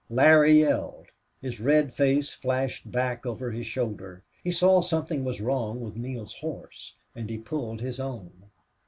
Larry yelled. His red face flashed back over his shoulder. He saw something was wrong with Neale's horse and he pulled his own.